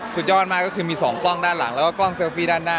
สุดยอดมากก็คือมีสองกล้องด้านหลังแล้วว่ากล้องด้านหน้า